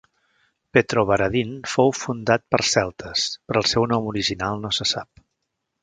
Petrovaradin fou fundat per celtes, però el seu nom original no se sap.